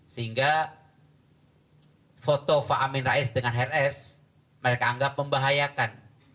sehingga foto pak amin rais dengan hrs mereka anggap membahayakan